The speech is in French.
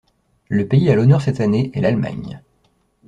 Le pays à l’honneur cette année est l’Allemagne.